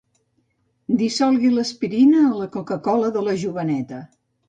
Dissolgui l'aspirina a la coca-cola de la joveneta.